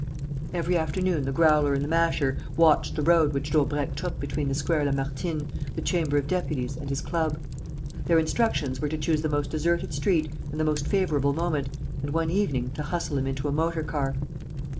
Every afternoon the Growler and the Masher watched the road which Daubrecq took between the Square Lamartine, the Chamber of Deputies and his club. Their instructions were to choose the most deserted street and the most favourable moment and, one evening, to hustle him into a motor car.